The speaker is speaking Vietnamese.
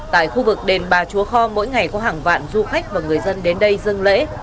tại khu vực đền bà chúa kho mỗi ngày có hàng vạn du khách và người dân đến đây dân lễ